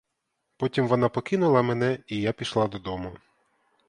Потім вона покинула мене, і я пішла додому.